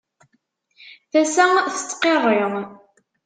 Tasa tettqiṛṛi.